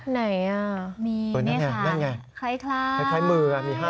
ไหนอะมีนะครับคล้ายคล้ายมือมี๕นิ้ว